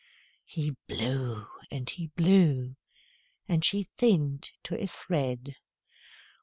He blew and he blew, and she thinned to a thread.